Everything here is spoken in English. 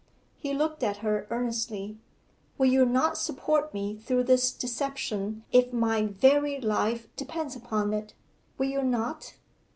He looked at her earnestly. 'Will you not support me through this deception if my very life depends upon it? Will you not?